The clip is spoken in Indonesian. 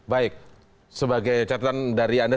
baik sebagai catatan dari anda